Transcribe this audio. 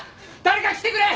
誰か来てくれ！